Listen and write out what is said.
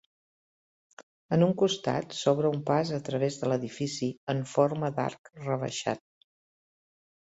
En un costat s'obre un pas a través de l'edifici en forma d'arc rebaixat.